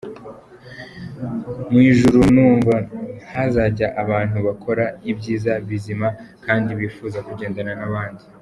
Mu ijuru numva ko hazajya abantu bakora ibyiza bizima, kandi bifuza kugendana n’abandi.”